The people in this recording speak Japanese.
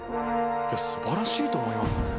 すばらしいと思いますね。